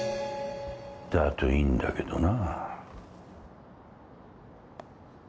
だといいんだけどな。